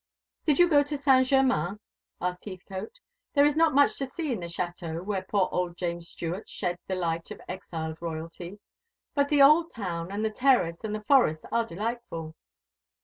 "Did you go to Saint Germain?" asked Heathcote. "There is not much to see in the chateau where poor old James Stuart shed the light of exiled royalty; but the old town, and the terrace, and the forest are delightful."